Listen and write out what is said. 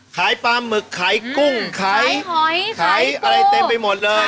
ขายปลาหมึกขายกุ้งขายอะไรเต็มไปหมดเลย